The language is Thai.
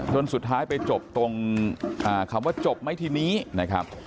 สุดท้ายไปจบตรงคำว่าจบไหมทีนี้นะครับ